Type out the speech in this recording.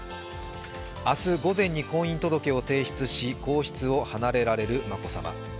明日午前に婚姻届を提出し皇室を離れられる眞子さま。